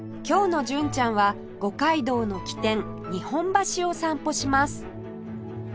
今日の純ちゃんは五街道の起点日本橋を散歩します